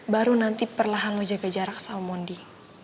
baru nanti perlahan mau jaga jarak sama mondi